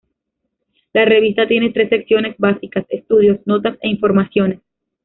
La revista tiene tres secciones básicas: "Estudios", "Notas" e "Informaciones".